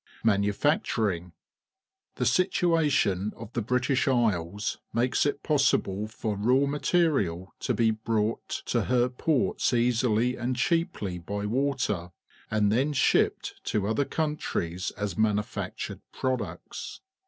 Manufacturing. — The situation of the British Isles makes it possible for raw materi al to be brought to her ports easily and cheaply by water, and then sliipped to other countries as manufactured products.